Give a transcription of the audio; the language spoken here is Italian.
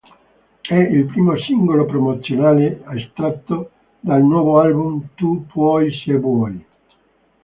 È il primo singolo promozionale estratto dal nuovo album Tu puoi se vuoi.